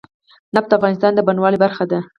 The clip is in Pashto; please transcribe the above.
نفت د افغانستان د بڼوالۍ برخه ده.